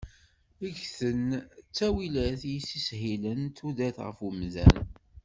Ggten ttawilat i yessishilen tudert ɣef umdan.